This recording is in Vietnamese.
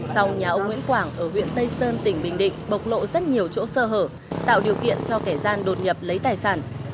sau nhà ông nguyễn quảng ở huyện tây sơn tỉnh bình định bộc lộ rất nhiều chỗ sơ hở tạo điều kiện cho kẻ gian đột nhập lấy tài sản